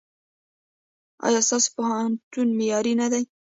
ایا ستاسو پوهنتون معیاري نه دی؟